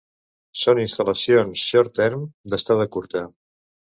Són instal·lacions ‘short term’, d’estada curta.